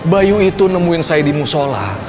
bayu itu nemuin saya di musola